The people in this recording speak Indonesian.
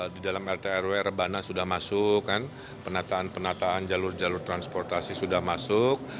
di dalam rt rw rebana sudah masuk kan penataan penataan jalur jalur transportasi sudah masuk